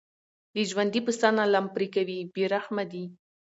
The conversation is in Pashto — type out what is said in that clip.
له ژوندي پسه نه لم پرې کوي بې رحمه دي.